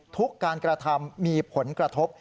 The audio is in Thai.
ทุกการกระทำมีผลกระทบ